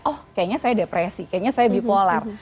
oh kayaknya saya depresi kayaknya saya bipolar